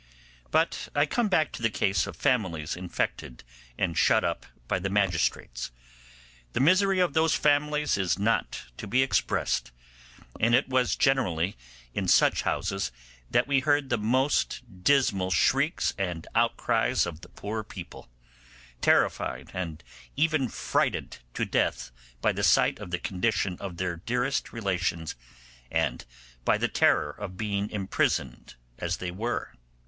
But I come back to the case of families infected and shut up by the magistrates. The misery of those families is not to be expressed; and it was generally in such houses that we heard the most dismal shrieks and outcries of the poor people, terrified and even frighted to death by the sight of the condition of their dearest relations, and by the terror of being imprisoned as they were.